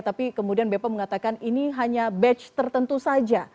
tapi kemudian bepom mengatakan ini hanya batch tertentu saja